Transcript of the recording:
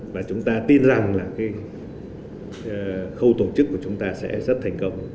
và chúng ta tin rằng là khâu tổ chức của chúng ta sẽ rất thành công